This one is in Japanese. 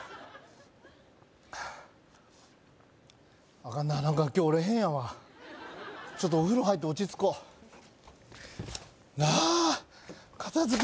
アカンな何か今日俺変やわちょっとお風呂入って落ち着こうあっ片づけ